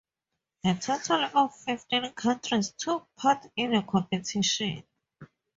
A total of fifteen countries took part in the competition.